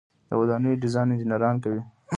د ودانیو ډیزاین انجنیران کوي